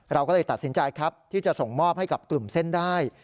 เราก็เลยตัดสินใจครับที่จะส่งมอบให้กับกลุ่มเส้นได้